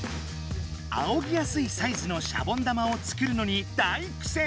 あおぎやすいサイズのシャボン玉を作るのに大苦戦。